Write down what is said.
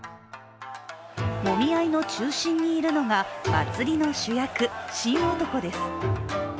もみ合いの中心にいるのが祭りの主役・神男です。